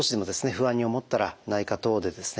不安に思ったら内科等でですね